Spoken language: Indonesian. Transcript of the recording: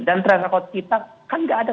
dan terang rakot kita kan gak ada